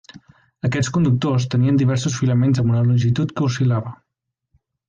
Aquests conductors tenien diversos filaments amb una longitud que oscil·lava.